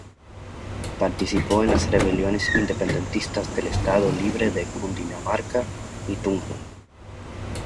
Participó en las rebeliones independentistas del Estado Libre de Cundinamarca y Tunja.